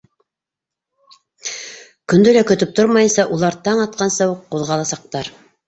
Көндө лә көтөп тормайынса, улар таң атҡансы уҡ ҡуҙғаласаҡтар.